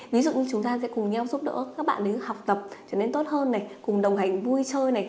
ví dụ như chúng ta sẽ cùng nhau giúp đỡ các bạn ấy học tập trở nên tốt hơn này cùng đồng hành vui chơi này